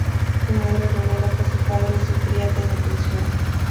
Su madre revela que su padre sufría de depresión.